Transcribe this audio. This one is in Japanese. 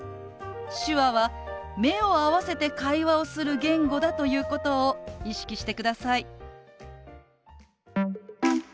手話は目を合わせて会話をする言語だということを意識してください。